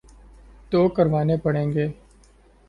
تو کروانے پڑیں گے۔